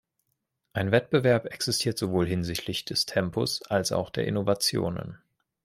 Ein Wettbewerb existiert sowohl hinsichtlich des Tempos als auch der Innovationen.